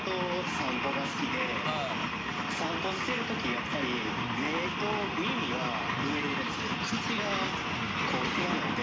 散歩してる時やっぱり目と耳は埋めれるんですけど口が暇なんで。